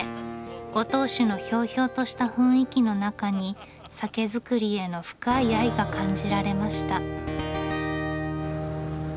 ご当主のひょうひょうとした雰囲気の中に酒造りへの深い愛が感じられました。